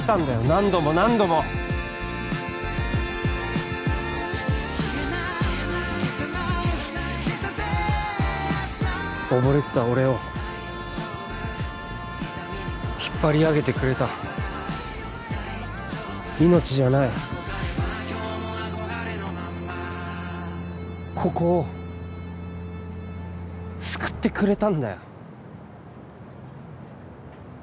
何度も何度も溺れてた俺を引っ張り上げてくれた命じゃないここを救ってくれたんだよ